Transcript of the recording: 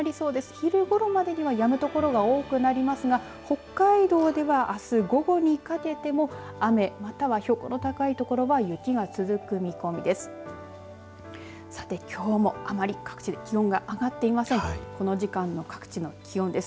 昼ごろまでにはやむ所が多くなりますが北海道では、あす午後にかけても雨、または標高の高い所は雪が続く見込みです。